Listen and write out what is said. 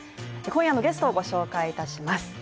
今夜のゲストをご紹介いたします。